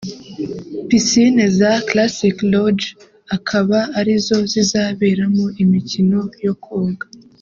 Piscine za Classic Lodge akaba arizo zizaberamo imikino yo koga